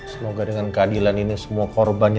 semoga dengan keadilan ini semua korbannya